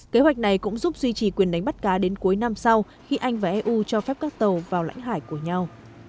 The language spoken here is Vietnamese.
kế hoạch này cũng giúp duy trì quyền đánh bắt cá đến cuối năm sau khi anh và eu cho phép các tàu vào lãnh hải của nhau